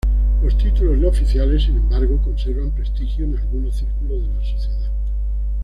Los títulos no oficiales, sin embargo, conservan prestigio en algunos círculos de la sociedad.